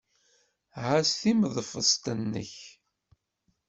Ɛass timeḍfest-nnek.